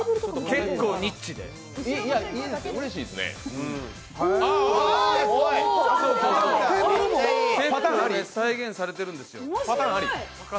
テーブルまで再現されてるんですよ。